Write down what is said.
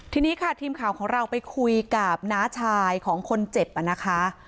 ทีนี้ค่ะทีมข่าวของเราไปคุยกับน้าชายของคนเจ็บนะคะ